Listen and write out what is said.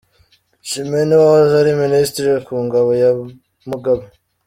Chimene wahoze ari ministre ku ngoma ya Mugabe.